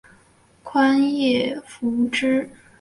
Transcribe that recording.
宽叶匐枝蓼为蓼科蓼属下的一个变种。